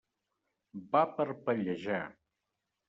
Va parpellejar.